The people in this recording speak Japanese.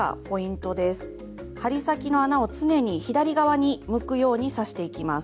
針先の穴を常に左側に向くように刺していきます。